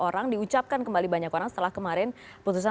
oke jangan lupa nanti ya